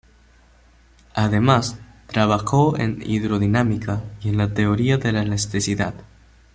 Además, trabajó en hidrodinámica y en la teoría de la elasticidad.